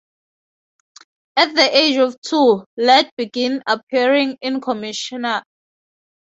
At the age of two, Ladd began appearing in commercials.